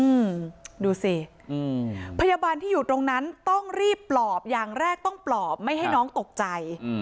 อืมดูสิอืมพยาบาลที่อยู่ตรงนั้นต้องรีบปลอบอย่างแรกต้องปลอบไม่ให้น้องตกใจอืม